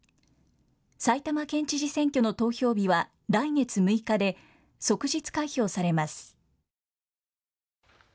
埼玉県知事選挙の投票日は来月６日で即日開票されます。